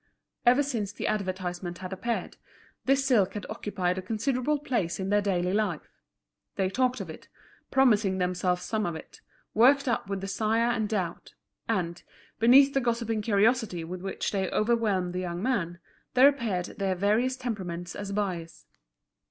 Ever since the advertisement had appeared, this silk had occupied a considerable place in their daily life. They talked of it, promising themselves some of it, worked up with desire and doubt. And, beneath the gossiping curiosity with which they overwhelmed the young man, there appeared their various temperaments as buyers.